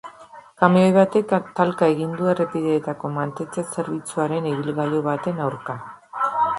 Kamioi batek talka egin du errepideetako mantentze zerbitzuaren ibilgailu baten aurka.